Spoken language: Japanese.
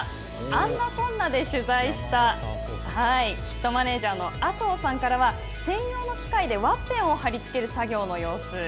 「あんなこんな」で取材したキットマネージャーの専用の機械でワッペンを貼り付ける作業の様子。